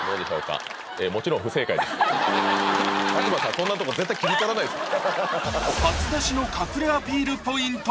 そんなとこ絶対切り取らないですもん